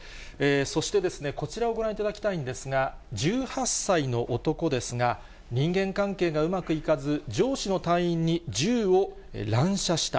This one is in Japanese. そしてですね、こちらをご覧いただきたいんですが、１８歳の男ですが、人間関係がうまくいかず、上司の隊員に銃を乱射した。